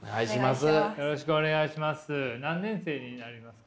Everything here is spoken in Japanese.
よろしくお願いします。